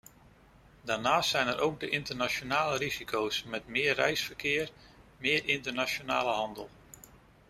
Daarnaast zijn er ook de internationale risico's met meer reisverkeer, meer internationale handel.